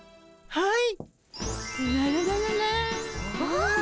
はい。